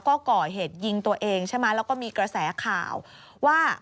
ก็ก่อเหตุยิงตัวเองใช่ไหมแล้วก็มีกระแสข่าวว่า